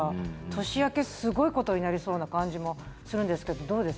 年明け、すごいことになりそうな感じもするんですけどどうです？